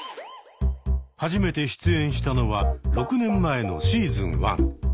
初めて出演したのは６年前のシーズン１。